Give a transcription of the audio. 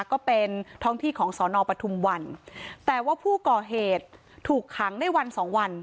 ก็เป็นท้องที่ของสอนอปทุมวันแต่ว่าผู้ก่อเหตุถูกขังได้วันสองวัน